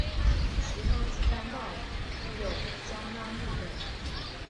其他主干道有江湾路等。